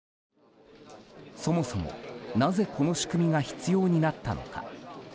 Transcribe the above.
そもそもなぜ、この仕組みが必要になったのか。